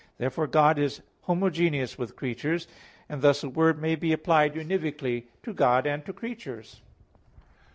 Therefore God is homogeneous with creatures; and thus a word may be applied univocally to God and to creatures.